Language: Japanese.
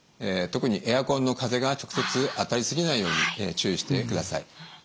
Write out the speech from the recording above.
特にエアコンの風が直接当たり過ぎないように注意してください。